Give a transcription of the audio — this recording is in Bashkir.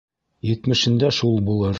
Етмешендә шул булыр.